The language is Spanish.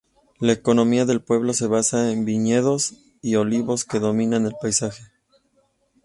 La economía del pueblo se basa en viñedos y olivos, que dominan el paisaje.